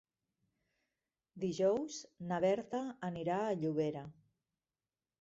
Dijous na Berta anirà a Llobera.